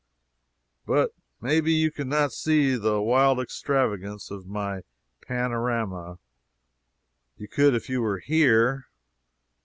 But may be you can not see the wild extravagance of my panorama. You could if you were here.